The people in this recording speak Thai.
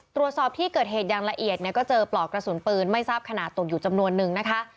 ตรวจสอบที่เกิดเหตุอย่างละเอียดเนี่ยก็เจอปลอกกระสุนปืนไม่ทราบขนาดตกอยู่จำนวนนึงนะคะ